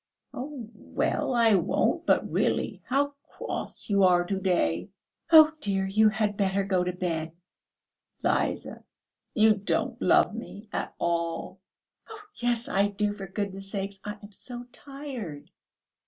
"Oh, well, I won't; but really, how cross you are to day!..." "Oh, dear, you had better go to bed." "Liza, you don't love me at all." "Oh, yes, I do! For goodness' sake, I am so tired."